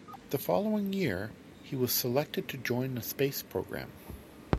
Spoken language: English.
The following year, he was selected to join the space programme.